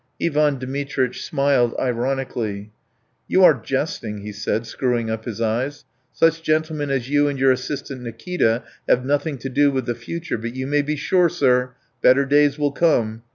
Ivan Dmitritch smiled ironically. "You are jesting," he said, screwing up his eyes. "Such gentlemen as you and your assistant Nikita have nothing to do with the future, but you may be sure, sir, better days will come!